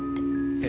え